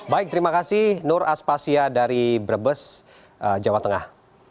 baik terima kasih nur aspasya dari brebes jawa tengah